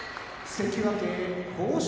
関脇豊昇